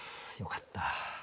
よかった。